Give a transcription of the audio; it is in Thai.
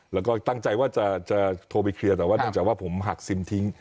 แล้วก็ต้องใจว่าจะจะโทรไปแต่ว่าทั้งแต่ว่าผมหักซิมทิ้ง